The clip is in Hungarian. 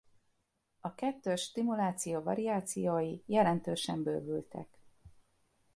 A kettős stimuláció variációi jelentősen bővültek.